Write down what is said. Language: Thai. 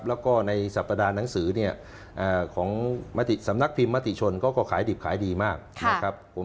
แล้วก็ในสัปดาห์หนังสือเนี่ยของมติสำนักพิมพ์มติชนก็ขายดิบขายดีมากนะครับผม